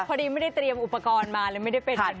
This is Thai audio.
พอดีไม่ได้เตรียมอุปกรณ์มาหรือไม่ได้เป็นอย่างนี้